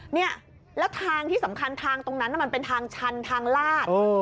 เนี่ยแล้วทางที่สำคัญทางตรงนั้นมันเป็นทางชันทางลาด